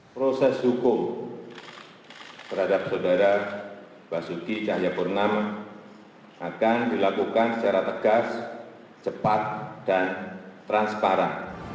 proses hukum terhadap saudara basuki cahayapurnama akan dilakukan secara tegas cepat dan transparan